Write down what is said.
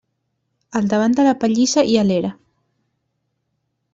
Al davant de la pallissa hi ha l'era.